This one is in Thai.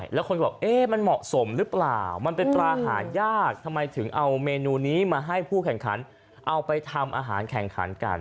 แล้วคนบอกเอ๊ะมันเหมาะสมหรือเปล่ามันเป็นตราหายากทำไมถึงเอาเมนูนี้มาให้ผู้แข่งขันเอาไปทำอาหารแข่งขันกัน